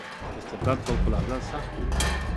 استبداد فوق العاده سخت و.